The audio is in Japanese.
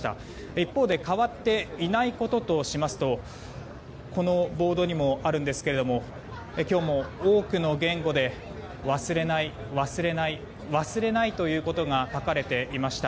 一方で変わっていないこととしますとこのボードにもありますが今日も多くの言語で忘れない、忘れないということが書かれていました。